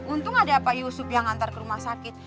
untung ada pak yusuf yang antar ke rumah sakit